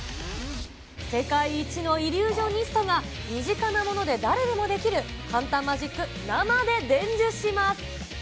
世界一のイリュージョニストが、身近なもので誰でもできる簡単マジック、生で伝授します。